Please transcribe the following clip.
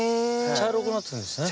茶色くなってるんですね。